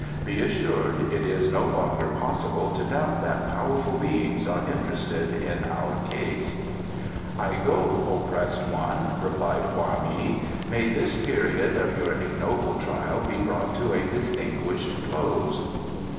Be assured: it is no longer possible to doubt that powerful Beings are interested in our cause." "I go, oppressed one," replied Hwa mei. "May this period of your ignoble trial be brought to a distinguished close."